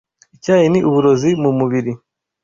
Icyayi ni uburozi mu mubiri;